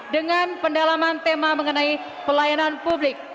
dengan pendalaman tema mengenai pelayanan publik